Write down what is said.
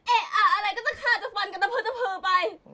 เอ๋อะไรก็จะฆ่าจากวังกระเทิมเตอร์เตอร์ไป